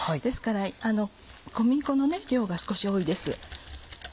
ですから小麦粉の量が少し多いです。